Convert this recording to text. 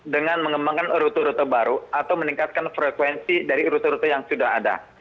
dengan mengembangkan rute rute baru atau meningkatkan frekuensi dari rute rute yang sudah ada